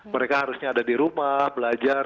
mereka harusnya ada di rumah belajar